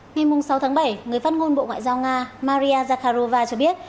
ngày sáu tháng bảy người phát ngôn bộ ngoại giao nga maria zakharova cho biết